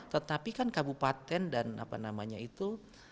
tetapi kan kabupaten dan apa namanya itu